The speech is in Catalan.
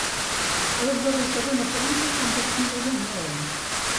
Les de la segona planta estan bastides amb maons.